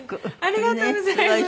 ありがとうございます！